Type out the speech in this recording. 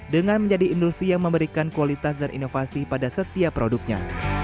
dengan menjadi industri yang memberikan kualitas dan inovasi pada setiap produknya